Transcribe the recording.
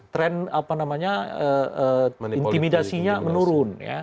tren apa namanya intimidasinya menurun